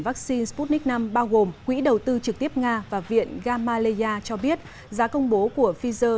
vaccine sputnik v bao gồm quỹ đầu tư trực tiếp nga và viện gamaleya cho biết giá công bố của pfizer